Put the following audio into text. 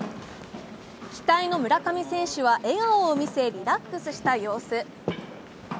期待の村上選手は笑顔を見せ、リラックスした様子。